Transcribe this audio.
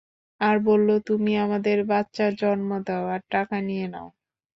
আর বললো, তুমি আমাদের বাচ্চার জন্ম দাও আর টাকা নিয়ে নাও।